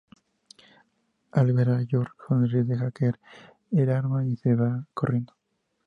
Al ver a George, sonríe, deja caer el arma y se va corriendo.